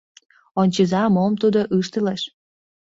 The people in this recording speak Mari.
Ончыза, мом тудо ыштылеш!